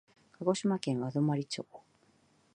鹿児島県和泊町